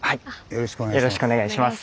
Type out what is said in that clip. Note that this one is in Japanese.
よろしくお願いします。